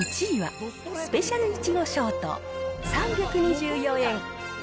１位は、スペシャル苺ショート、３２４円。